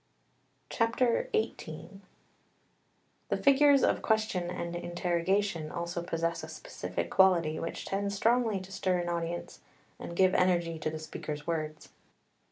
XVIII The figures of question and interrogation also possess a specific quality which tends strongly to stir an audience and give energy to the speaker's words.